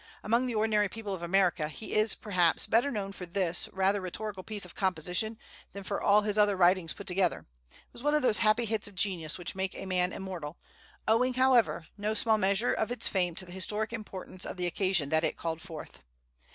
Among the ordinary people of America he is, perhaps, better known for this rather rhetorical piece of composition than for all his other writings put together. It was one of those happy hits of genius which make a man immortal, owing, however, no small measure of its fame to the historic importance of the occasion that called it forth.